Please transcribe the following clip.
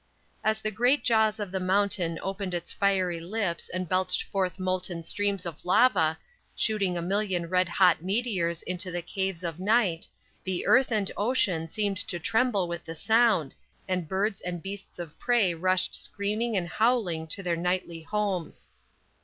As the great jaws of the mountain opened its fiery lips and belched forth molten streams of lava, shooting a million red hot meteors into the caves of night, the earth and ocean seemed to tremble with the sound and birds and beasts of prey rushed screaming and howling to their nightly homes.